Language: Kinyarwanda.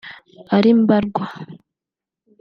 ari mbarwa